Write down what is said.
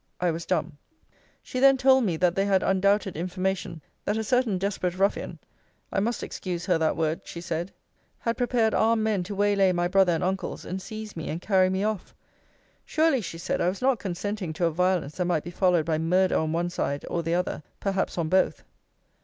I was dumb. She then told me, that they had undoubted information, that a certain desperate ruffian (I must excuse her that word, she said) had prepared armed men to way lay my brother and uncles, and seize me, and carry me off. Surely, she said, I was not consenting to a violence that might be followed by murder on one side or the other; perhaps on both.